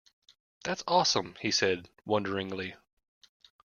That’s awesome, he said wonderingly.